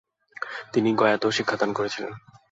তিনি গয়াতেও শিক্ষাদান করেছিলেন।